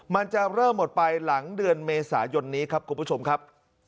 มันจะเริ่มหมดไปหลังเดือนเมษายนนี้ครับคุณผู้ชมครับ